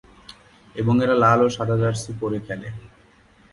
এবং এরা লাল ও সাদা জার্সি পরে খেলে।